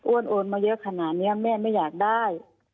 โอนมาเยอะขนาดนี้แม่ไม่อยากได้